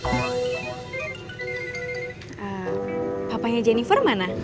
eee papanya jennifer mana